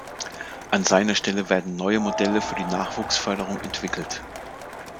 An seiner Stelle werden neue Modelle für die Nachwuchsförderung entwickelt.